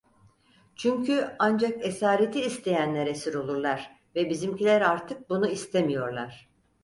Çünkü ancak esareti isteyenler esir olurlar ve bizimkiler artık bunu istemiyorlar.